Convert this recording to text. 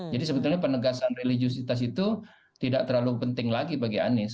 jadi sebetulnya penegasan religiusitas itu tidak terlalu penting lagi bagi anies